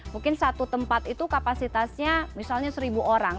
mungkin satu tempat itu kapasitasnya misalnya seribu orang